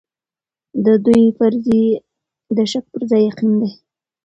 د دوی فرضيې د شک پر ځای يقين دي.